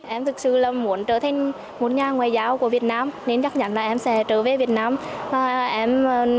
em thực sự là muốn trở thành một nhà ngoại giao của việt nam nên chắc chắn là em sẽ trở về việt nam